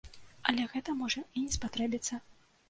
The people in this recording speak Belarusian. Але гэта можа і не спатрэбіцца.